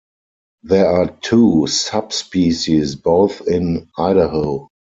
There are two subspecies, both in Idaho.